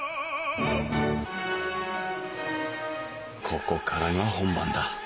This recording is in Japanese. ここからが本番だ。